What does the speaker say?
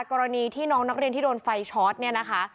กรณีที่น้องนักเรียนที่โดนไฟช็อตเนี่ยนะคะ